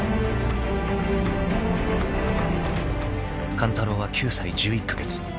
［勘太郎は９歳１１カ月］